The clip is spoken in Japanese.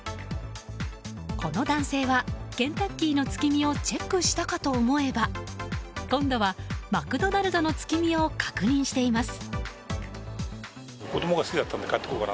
この男性はケンタッキーの月見をチェックしたかと思えば今度はマクドナルドの月見を確認しています。